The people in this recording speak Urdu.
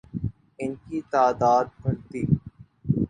ان کی تعداد بڑھتی